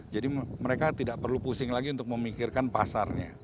jadi mereka tidak perlu pusing lagi untuk memikirkan pasarnya